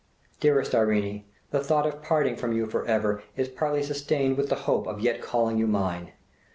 "Dearest Irene, the thought of parting from you for ever is partly sustained with the hope of yet calling you mine!